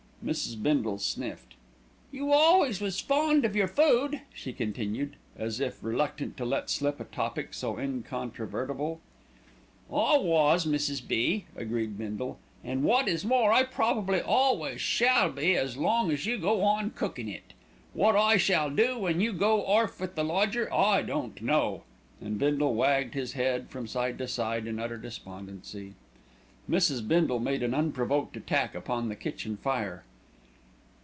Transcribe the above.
Mrs. Bindle sniffed. "You always was fond of your food," she continued, as if reluctant to let slip a topic so incontrovertible. "I was, Mrs. B.," agreed Bindle; "an' wot is more I probably always shall be as long as you go on cookin' it. Wot I shall do when you go orf with the lodger, I don't know," and Bindle wagged his head from side to side in utter despondency. Mrs. Bindle made an unprovoked attack upon the kitchen fire.